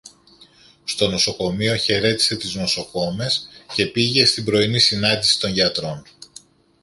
Στο νοσοκομείο χαιρέτισε τις νοσοκόμες και πήγε στην πρωινή συνάντηση των γιατρών